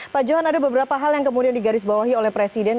pak johan ada beberapa hal yang kemudian digarisbawahi oleh presiden